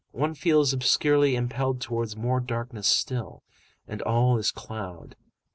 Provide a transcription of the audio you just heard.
One feels obscurely impelled towards more darkness still, and all is cloud.